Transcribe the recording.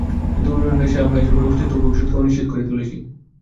কিন্তু উন্নয়নের নেশায় আমরা এসবের অস্তিত্ব ও ভবিষ্যৎকে অনিশ্চিত করে তুলছি।